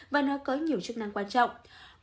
và nó có nhiều chức năng quan trọng